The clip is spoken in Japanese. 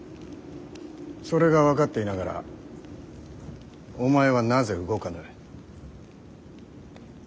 それが分かっていながらお前はなぜ動かぬ。